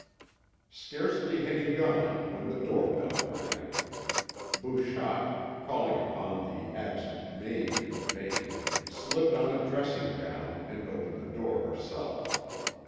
Scarcely had he gone when the door bell rang. Bouchotte, calling upon the absent maid in vain, slipped on a dressing gown and opened the door herself.